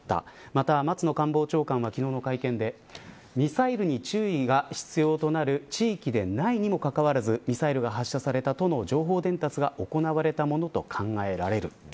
また松野官房長官は昨日の会見でミサイルに注意が必要となる地域でないにもかかわらずミサイルが発射されたとの情報伝達が行われたものと考えられる。